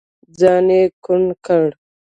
ځان يې کوڼ کړ.